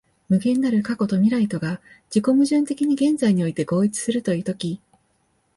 無限なる過去と未来とが自己矛盾的に現在において合一するという時、